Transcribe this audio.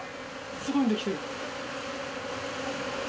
すごいできてる。